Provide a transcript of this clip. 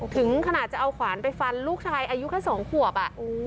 ถึงขณะจะเอาขวานไปฟันลูกชายอายุแค่สองขวบอะอู้